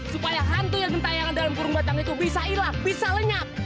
supaya hantu yang gentah yang ada dalam burung batang itu bisa hilang bisa lenyap